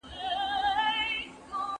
پاکوالی د خوندیتوب برخه ده.